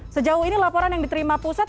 sejauh ini laporan yang diterima pusat